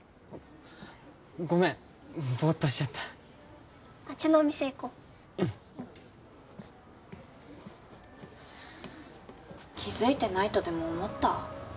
ごめんボーッとしちゃったあっちのお店行こうん気づいてないとでも思った？